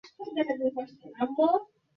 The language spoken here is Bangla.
তোমাকে বেঁচে থাকতে হবে!